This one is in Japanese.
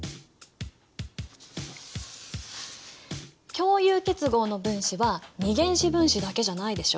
共有結合の分子は二原子分子だけじゃないでしょ？